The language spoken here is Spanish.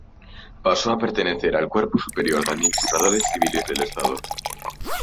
Pasó a pertenecer al Cuerpo Superior de Administradores Civiles del Estado.